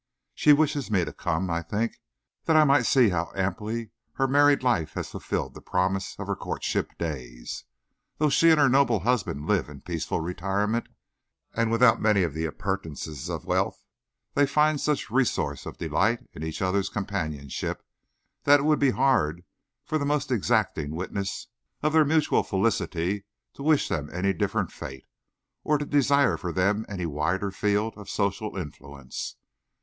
She wished me to come, I think, that I might see how amply her married life had fulfilled the promise of her courtship days. Though she and her noble husband live in peaceful retirement, and without many of the appurtenances of wealth, they find such resources of delight in each other's companionship that it would be hard for the most exacting witness of their mutual felicity to wish them any different fate, or to desire for them any wider field of social influence.